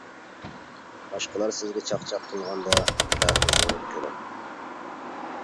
باشقىلار سىزگە چاقچاق قىلغاندا بەھۇزۇر كۈلۈڭ.